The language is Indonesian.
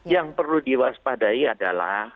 yang perlu diwaspadai adalah